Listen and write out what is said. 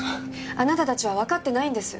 あなたたちはわかってないんです。